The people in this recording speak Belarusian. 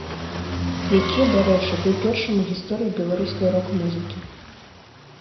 Які, дарэчы, быў першым у гісторыі беларускай рок-музыкі.